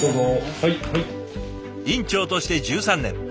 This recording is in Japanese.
院長として１３年。